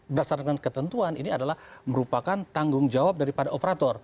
berdasarkan ketentuan ini adalah merupakan tanggung jawab daripada operator